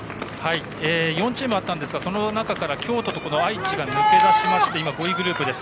４チームあったんですがその中から京都と愛知が抜け出しまして５位グループです。